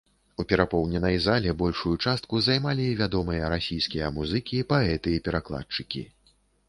У перапоўненай зале большую частку займалі вядомыя расійскія музыкі, паэты і перакладчыкі.